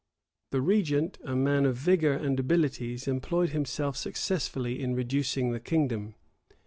[] The regent, a man of vigor and abilities, employed himself successfully in reducing the kingdom.